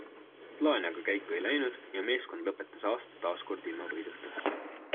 Plaan aga käiku ei läinud ja meeskond lõpetas aasta taaskord ilma võiduta.